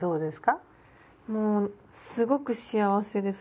もうすごく幸せです。